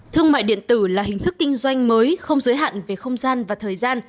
thương mại điện tử là hình thức kinh doanh mới không giới hạn về không gian và thời gian